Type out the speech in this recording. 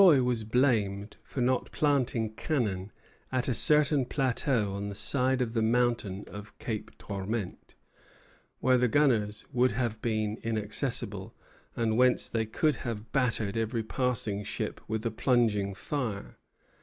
Vaudreuil was blamed for not planting cannon at a certain plateau on the side of the mountain of Cape Tourmente, where the gunners would have been inaccessible, and whence they could have battered every passing ship with a plunging fire.